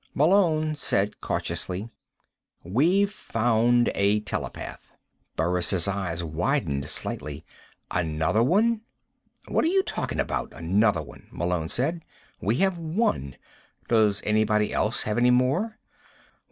Malone said cautiously: "We've found a telepath." Burris' eyes widened slightly. "Another one?" "What are you talking about, another one?" Malone said. "We have one. Does anybody else have any more?"